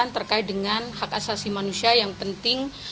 terkait dengan hak asasi manusia yang penting